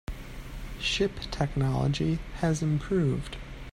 Ship technology has improved.